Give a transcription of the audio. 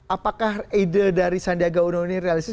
apakah ide dari sandiaga uno ini realistis